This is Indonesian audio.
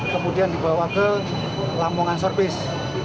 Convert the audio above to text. kemudian dibawa ke lamongan service